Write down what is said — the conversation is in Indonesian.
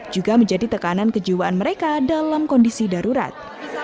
juga menjadi tekanan kejiwaan mereka dalam kondisi darurat